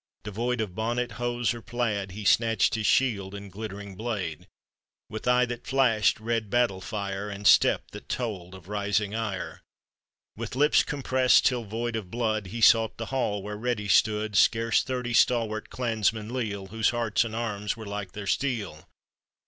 — Devoid of bonnet, hose, or plaid, He snatched his shield and glittering blade; With eye that flashed red battle fire, And step that told of rising ire, With lips compressed till void of blood, He sought the hall where ready stood Scarce thirty stalwart clansmen leal, Whose hearts and arms were like their steel.